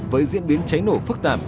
với diễn biến cháy nổ phức tạp